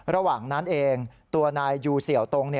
ระหว่างนั้นเองตัวนายยูเสี่ยวตรง